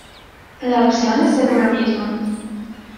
La opción es ser uno mismo.